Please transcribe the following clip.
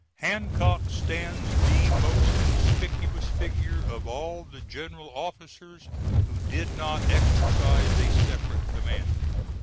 Hancock stands the most conspicuous figure of all the general officers who did not exercise a separate command.